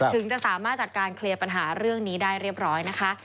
ถึงจะสามารถจัดการเคลียร์ปัญหาเรื่องนี้ได้เรียบร้อยนะคะ